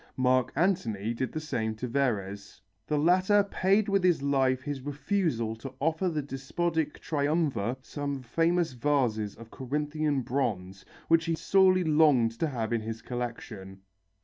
Mark Antony did the same to Verres. The latter paid with his life his refusal to offer the despotic Triumvir some famous vases of Corinthian bronze which he sorely longed to have in his collection.